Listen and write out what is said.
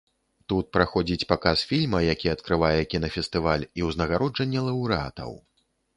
Тут праходзіць паказ фільма, які адкрывае кінафестываль, і ўзнагароджанне лаўрэатаў.